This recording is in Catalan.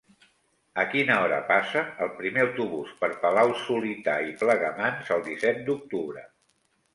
A quina hora passa el primer autobús per Palau-solità i Plegamans el disset d'octubre?